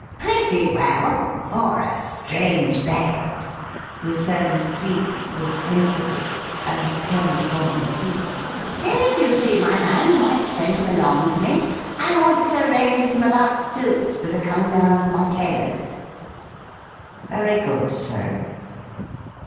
"Pretty well for a strange bed," returned Cleek with emphasis, and turned upon his heel. "If you see my man you might send him along to me. I want to arrange with him about suits that are coming down from my tailor's." "Very good, sir."